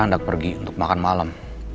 hendak pergi untuk makan malam